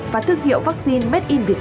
và tự chủ tổ chức